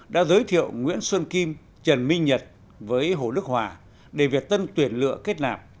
đã giới thiệu nguyễn xuân kim trần minh nhật với hồ đức hòa để việt tân tuyển lựa kết nạp